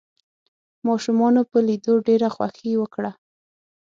ماشومانو په ليدو ډېره خوښي وکړه.